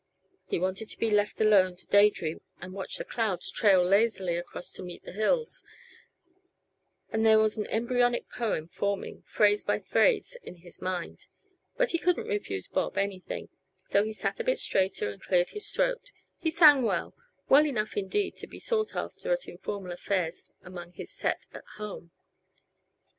He wanted to be left alone to day dream and watch the clouds trail lazily across to meet the hills; and there was an embryonic poem forming, phrase by phrase, in his mind. But he couldn't refuse Bob anything, so he sat a bit straighter and cleared his throat. He sang well well enough indeed to be sought after at informal affairs among his set at home.